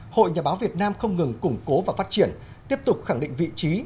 hội nhà báo việt nam không ngừng củng cố và phát triển tiếp tục khẳng định vị trí